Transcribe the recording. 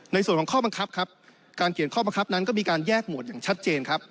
ในส่วนของข้อบังคับครับการเขียนข้อบังคับนั้นก็มีการแยกหมวดอย่างชัดเจนครับ